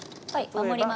守ります。